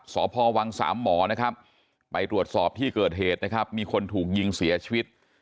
สพวสฑไปตรวจสอบที่เกิดเหตุนะครับมีคนถูกยิงเสียชีวิต